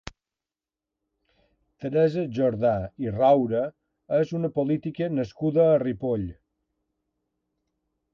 Teresa Jordà i Roura és una política nascuda a Ripoll.